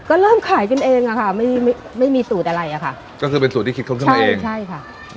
ก็เริ่มขายกันเองอะค่ะไม่ไม่ไม่มีสูตรอะไรอ่ะค่ะก็คือเป็นสูตรที่คิดค้นขึ้นมาเองใช่ค่ะ